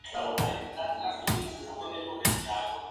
La puerta tiene una decoración de hierro forjado en la parte superior.